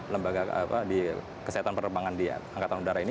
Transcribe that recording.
lembaga apa di kesehatan pererbangan di angkatan udara ini